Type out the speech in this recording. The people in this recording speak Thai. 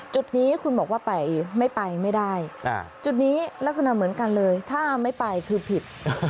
จุดนี้คุณบอกว่าไปไม่ไปไม่ได้จุดนี้ลักษณะเหมือนกันเลยถ้าไม่ไปคือผิด